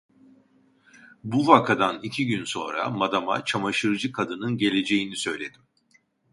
Bu vakadan iki gün sonra madama çamaşırcı kadının geleceğini söyledim.